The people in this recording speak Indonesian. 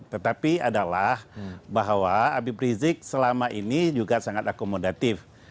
tetapi adalah bahwa habib rizik selama ini juga sangat akomodatif